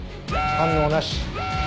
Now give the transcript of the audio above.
反応なし。